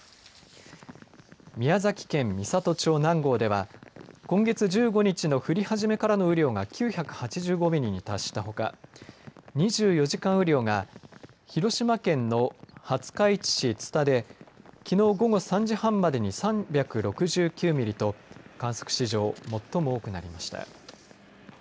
宮崎県美郷町南郷では今月１５日の降り始めからの雨量が９８５ミリに達したほか２４時間雨量が広島県の廿日市市津田できのう午後３時半までに３６９ミリと観測史上、最も多くなりました。